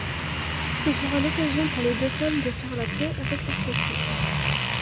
Ce sera l'occasion pour les deux femmes de faire la paix avec leur passé.